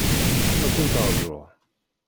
Ad kent-arguɣ.